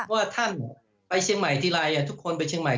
ว่าท่านไปเชียงใหม่ทีไรทุกคนไปเชียงใหม่